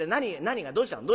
何がどうしたの？